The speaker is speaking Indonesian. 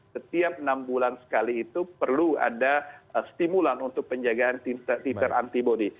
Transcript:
setiap enam bulan sekali itu perlu ada stimulan untuk penjagaan titer antibody